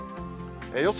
予想